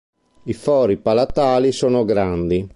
I fori palatali sono grandi.